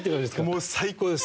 もう最高です。